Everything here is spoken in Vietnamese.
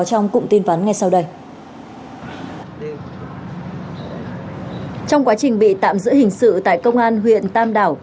trong cụm tin phán ngay sau đây trong quá trình bị tạm giữ hình sự tại công an huyện tam đảo